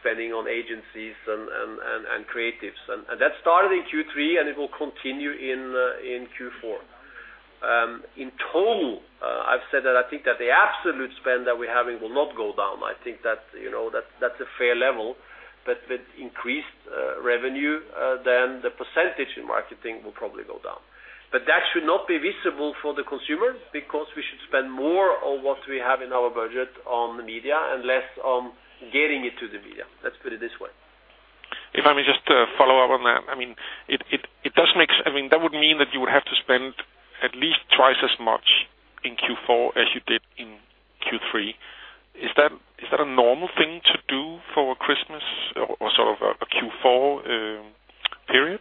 spending on agencies and creatives. And that started in Q3, and it will continue in Q4. In total, I've said that I think that the absolute spend that we're having will not go down. I think that, you know, that's, that's a fair level, but with increased revenue, then the percentage in marketing will probably go down. But that should not be visible for the consumers, because we should spend more on what we have in our budget on the media and less on getting it to the media. Let's put it this way. If I may just follow up on that, I mean, it does make sense, I mean, that would mean that you would have to spend at least twice as much in Q4 as you did in Q3. Is that a normal thing to do for Christmas or sort of a Q4 period?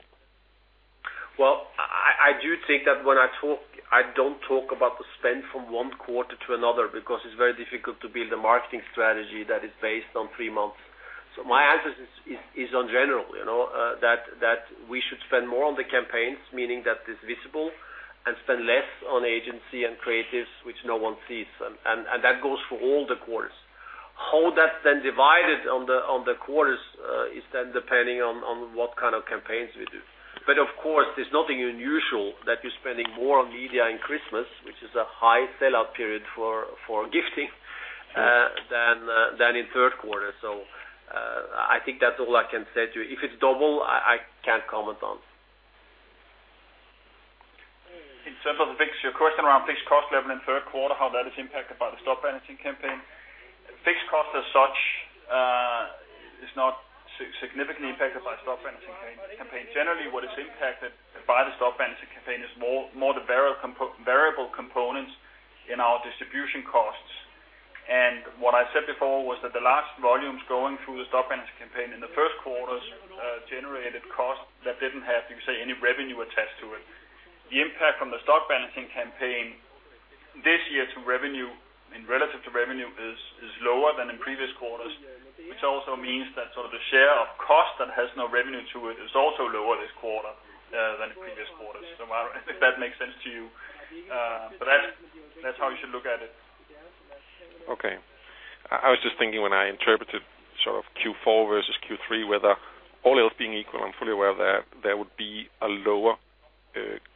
Well, I do think that when I talk, I don't talk about the spend from one quarter to another, because it's very difficult to build a marketing strategy that is based on three months. So my answer is, on general, you know, that we should spend more on the campaigns, meaning that it's visible, and spend less on agency and creatives, which no one sees. And that goes for all the quarters. How that's then divided on the quarters is then depending on what kind of campaigns we do. But of course, there's nothing unusual that you're spending more on media in Christmas, which is a high sell-out period for gifting than in third quarter. So, I think that's all I can say to you. If it's double, I can't comment on. In terms of the fixed, your question around fixed cost level in third quarter, how that is impacted by the Stock Balancing Campaign. Fixed cost as such is not significantly impacted by Stock Balancing Campaign. Generally, what is impacted by the Stock Balancing Campaign is more the variable components in our distribution costs. And what I said before was that the large volumes going through the Stock Balancing Campaign in the first quarters generated costs that didn't have, you say, any revenue attached to it. The impact from the Stock Balancing Campaign this year to revenue, and relative to revenue, is lower than in previous quarters, which also means that sort of the share of cost that has no revenue to it is also lower this quarter than in previous quarters. So I don't know if that makes sense to you, but that, that's how you should look at it. Okay. I was just thinking when I interpreted sort of Q4 versus Q3, whether all else being equal, I'm fully aware that there would be a lower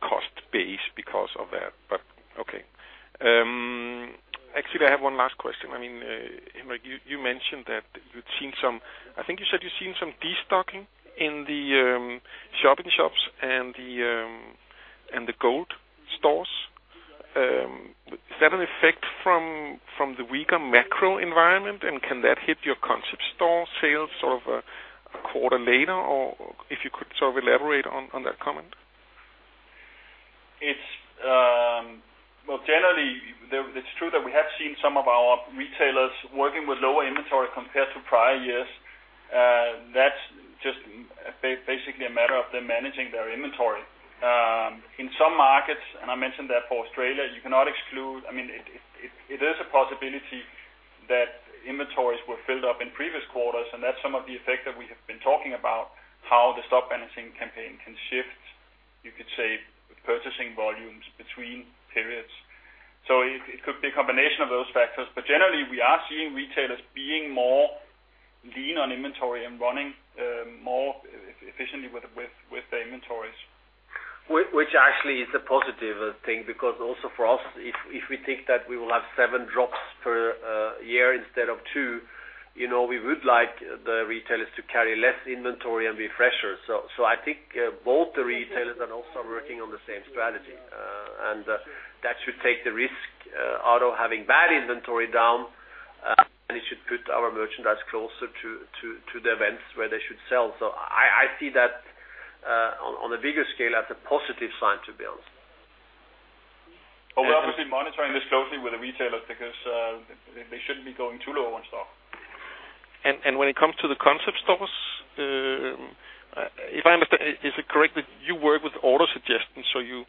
cost base because of that, but okay. Actually, I have one last question. I mean, Henrik, you mentioned that you'd seen some... I think you said you'd seen some destocking in the Shop-in-Shops and the Gold Stores. Is that an effect from the weaker macro environment, and can that hit your Concept Store sales sort of a quarter later? Or if you could sort of elaborate on that comment. It's generally true that we have seen some of our retailers working with lower inventory compared to prior years. That's just basically a matter of them managing their inventory. In some markets, and I mentioned that for Australia, you cannot exclude—I mean, it is a possibility that inventories were filled up in previous quarters, and that's some of the effect that we have been talking about, how the Stock Balancing Campaign can shift, you could say, purchasing volumes between periods. So it could be a combination of those factors, but generally, we are seeing retailers being more lean on inventory and running more efficiently with the inventories. Which actually is a positive thing, because also for us, if we think that we will have seven drops per year instead of two, you know, we would like the retailers to carry less inventory and be fresher. So I think both the retailers are also working on the same strategy, and that should take the risk out of having bad inventory down, and it should put our merchandise closer to the events where they should sell. So I see that, on a bigger scale, as a positive sign, to be honest. But we're obviously monitoring this closely with the retailers because they shouldn't be going too low on stock. When it comes to the Concept Stores, if I understand, is it correct that you work with order suggestions, so you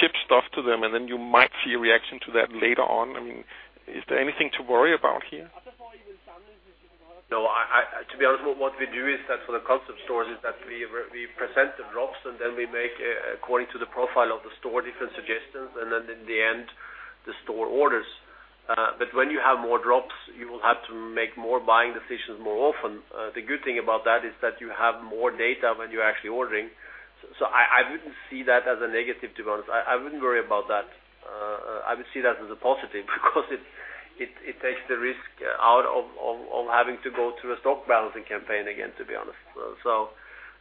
ship stuff to them, and then you might see a reaction to that later on? I mean, is there anything to worry about here? No, to be honest, what we do is that for the Concept Stores, is that we present the drops, and then we make, according to the profile of the store, different suggestions, and then in the end, the store orders. But when you have more drops, you will have to make more buying decisions more often. The good thing about that is that you have more data when you're actually ordering. So I wouldn't see that as a negative, to be honest. I wouldn't worry about that. I would see that as a positive because it takes the risk out of having to go through a Stock Balancing Campaign again, to be honest. So,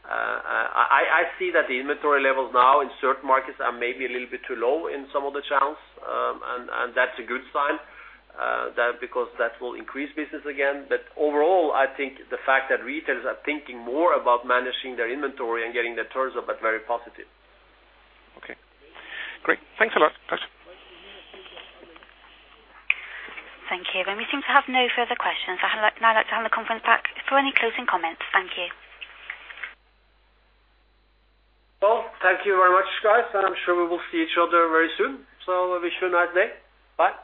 I see that the inventory levels now in certain markets are maybe a little bit too low in some of the channels, and that's a good sign, that because that will increase business again. But overall, I think the fact that retailers are thinking more about managing their inventory and getting their turns up, are very positive. Okay, great. Thanks a lot, guys. Thank you. We seem to have no further questions. I'd like now to hand the conference back for any closing comments. Thank you. Well, thank you very much, guys. I'm sure we will see each other very soon, so I wish you a nice day. Bye.